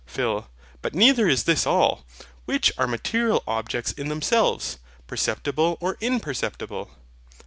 PHIL. But neither is this all. Which are material objects in themselves perceptible or imperceptible?